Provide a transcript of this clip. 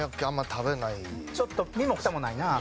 ちょっと身も蓋もないな。